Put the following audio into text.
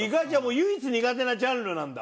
唯一苦手なジャンルなんだ。